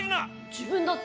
自分だって！